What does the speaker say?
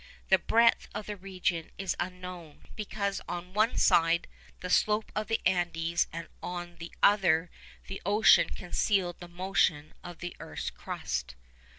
The breadth of the region is unknown, because on one side the slope of the Andes and on the other the ocean concealed the motion of the earth's crust.